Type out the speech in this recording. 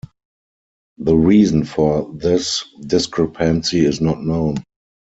The reason for this discrepancy is not known.